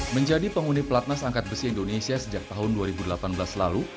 menjadi penghuni pelatnas angkat besi indonesia sejak tahun dua ribu delapan belas lalu